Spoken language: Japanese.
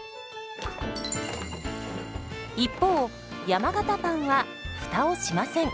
一方山型パンはフタをしません。